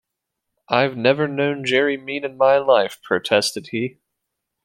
“I’ve never known Jerry mean in my life,” protested he.